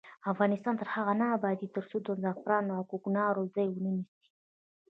افغانستان تر هغو نه ابادیږي، ترڅو زعفران د کوکنارو ځای ونه نیسي.